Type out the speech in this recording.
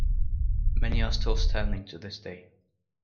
Many are still standing to this day.